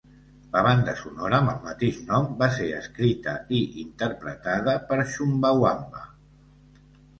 La banda sonora amb el mateix nom va ser escrita i interpretada per Chumbawamba.